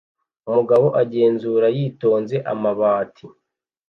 umugabo agenzura yitonze amabati